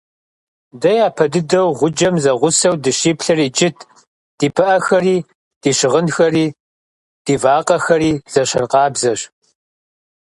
Дэ япэ дыдэу гъуджэм зэгъусэу дыщиплъэр иджыт: ди пыӀэхэри, ди щыгъынхэри, ди вакъэхэри зэщхьыркъабзэщ.